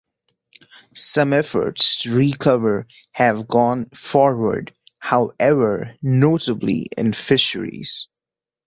Some efforts to recover have gone forward, however, notably in fisheries.